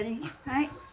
はい。